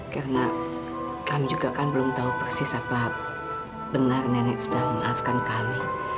karena kami juga kan belum tahu persis apa benar nenek sudah memaafkan kami